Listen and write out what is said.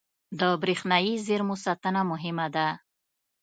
• د برېښنايي زېرمو ساتنه مهمه ده.